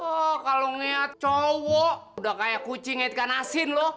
oh kalau ngeliat cowok udah kayak kucing ikan asin loh